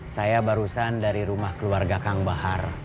saya barusan dari rumah keluarga kang bahar